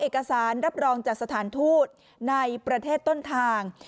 เอกสารรับรองจากสถานทูตในประเทศต้นทาง